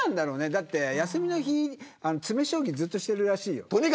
だって休みの日詰め将棋ずっとしてるらしいよ。